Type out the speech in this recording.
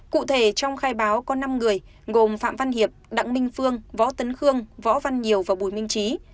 cụ thể trong khai báo có năm người gồm phạm văn hiệp đặng minh phương võ tấn khương võ văn nhiều và bùi minh trí